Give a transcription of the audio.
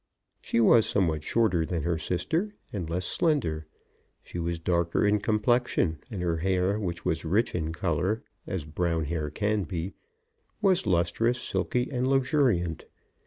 She was somewhat shorter than her sister, and less slender. She was darker in complexion, and her hair, which was rich in colour as brown hair can be, was lustrous, silky, and luxuriant.